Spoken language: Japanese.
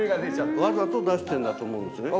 わざと出してるんだと思うんですね。